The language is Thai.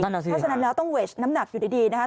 เพราะฉะนั้นแล้วต้องเวสน้ำหนักอยู่ดีนะครับ